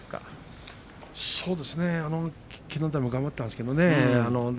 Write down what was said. きのうも頑張ったんですけどね。